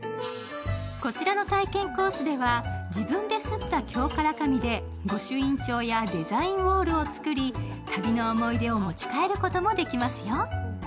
こちらの体験コースでは自分で刷った京から紙で御朱印帳や、デザインウォールを作り、旅の思い出を持ち帰ることもできますよ。